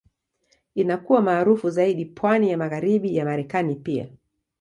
Inakuwa maarufu zaidi pwani ya Magharibi ya Marekani pia.